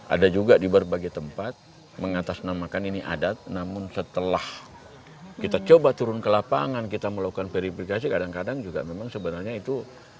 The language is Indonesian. ada juga di berbagai tempat mengatasnamakan ini adat namun setelah kita coba turun ke lapangan kita melakukan verifikasi kadang kadang juga memang sebenarnya itu